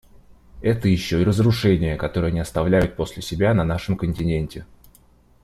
Это еще и разрушения, которые они оставляют после себя на нашем континенте.